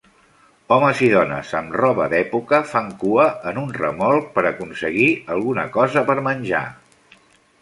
Homes i dones amb roba d'època fan cua en un remolc per aconseguir alguna cosa per menjar.